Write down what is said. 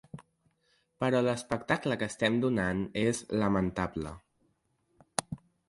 Però l’espectacle que estem donant és lamentable.